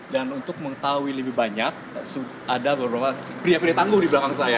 dan untuk mengetahui lebih banyak ada beberapa pria pria tangguh di belakang saya